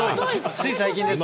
つい最近ですね。